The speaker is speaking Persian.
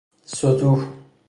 ستوه